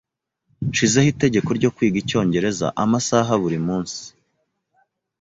Nshizeho itegeko ryo kwiga icyongereza amasaha buri munsi.